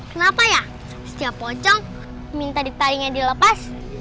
kenapa ya setiap pocong minta ditaringnya dilepas